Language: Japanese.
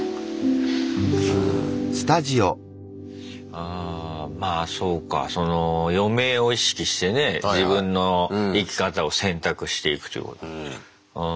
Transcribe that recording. ああまあそうか余命を意識してね自分の生き方を選択していくということ。